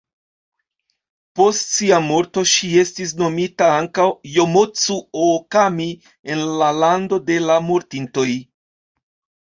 Post sia morto, ŝi estis nomita ankaŭ Jomocu-ookami en la lando de la mortintoj.